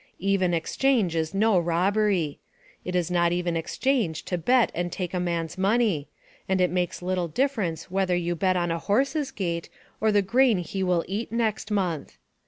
"Even exchange is no robbery." It is not even exchange to bet and take a man's money; and it makes little difference whether you bet on a horse's gait or the grain he will eat next month.